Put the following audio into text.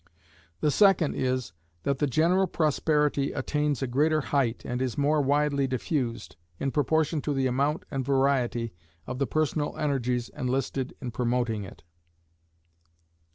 The second is, that the general prosperity attains a greater height, and is more widely diffused, in proportion to the amount and variety of the personal energies enlisted in promoting it.